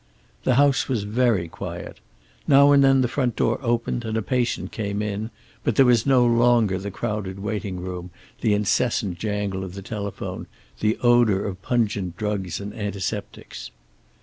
The house was very quiet. Now and then the front door opened, and a patient came in, but there was no longer the crowded waiting room, the incessant jangle of the telephone, the odor of pungent drugs and antiseptics.